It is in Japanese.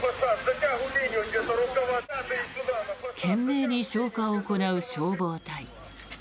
懸命に消火を行う消防隊。